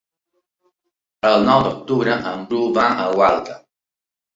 El nou d'octubre en Bru va a Gualta.